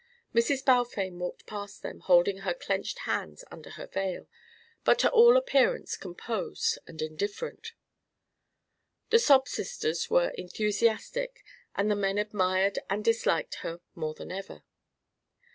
Mrs. Balfame walked past them holding her clenched hands under her veil, but to all appearance composed and indifferent. The sob sisters were enthusiastic, and the men admired and disliked her more than ever.